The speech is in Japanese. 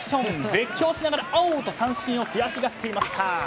絶叫しながらオー！と三振を悔しがっていました。